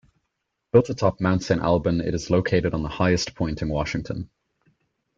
Built atop Mount Saint Alban, it is located on the highest point in Washington.